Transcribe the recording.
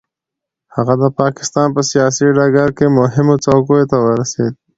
هغه د پاکستان په سیاسي ډګر کې مهمو څوکیو ته ورسېد.